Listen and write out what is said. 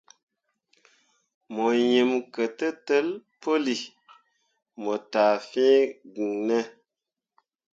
Mo yim ketǝtel puuli mo taa fĩĩ giŋ ne ?